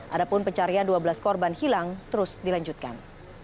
adapun pencarian dua belas korban hilang terus dilanjutkan